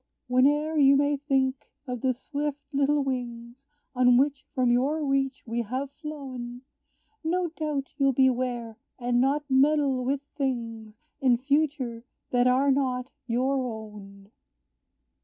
"Whene'er you may think of the swift little wings On which from your reach we have flown, No doubt, you'll beware, and not meddle with things, In future, that are not your own."